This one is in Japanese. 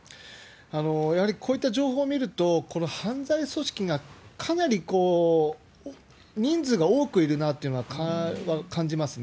やはりこういった情報を見ると、この犯罪組織がかなり人数が多くいるなというのは感じますね。